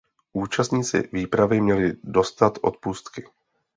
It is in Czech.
Účastníci výpravy měli dostat odpustky.